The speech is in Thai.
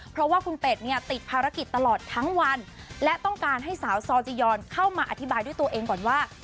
เพราะว่าคุณเป็ดเนี่ยติดภารกิจตลอดทั้งวันและต้องการให้สาวซอจียอนเข้ามาอธิบายด้วยตัวเองก่อนว่า